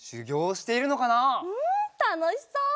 うんたのしそう！